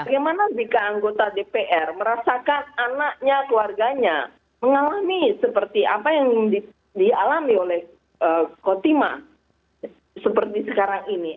bagaimana jika anggota dpr merasakan anaknya keluarganya mengalami seperti apa yang dialami oleh kotima seperti sekarang ini